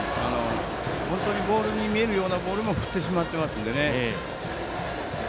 本当にボールに見えるようなボールも振ってしまってますんでね。